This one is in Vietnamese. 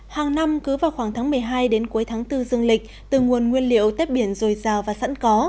hàng năm cứ vào khoảng tháng một mươi hai đến cuối tháng bốn dương lịch từ nguồn nguyên liệu tép biển dồi dào và sẵn có